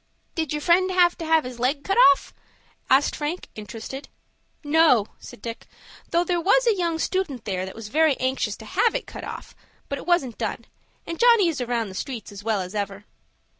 "Did your friend have to have his leg cut off?" asked Frank, interested. "No," said Dick; "though there was a young student there that was very anxious to have it cut off; but it wasn't done, and Johnny is around the streets as well as ever."